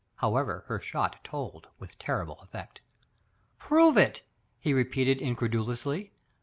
However, her shot told with terrible effect. "Prove it!" he repeated incredulously.